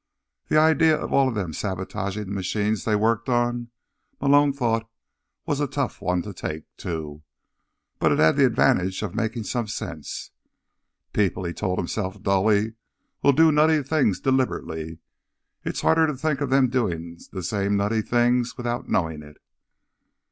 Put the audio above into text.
The idea of all of them sabotaging the machines they worked on, Malone thought, was a tough one to take, too. But it had the advantage of making some sense. People, he told himself dully, will do nutty things deliberately. It's harder to think of them doing the same nutty things without knowing it.